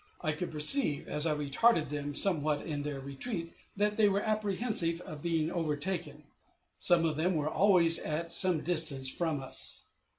I could perceive, as I retarded them somewhat in their retreat, that they were apprehensive of being overtaken; some of them were always at some distance from us.